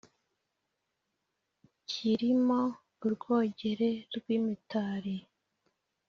Kiri mo urwogere rw'imitari.